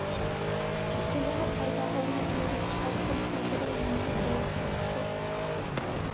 Теләһә ҡайҙа аунап йөрөп һалҡын тейҙерә инде был шаҡшы.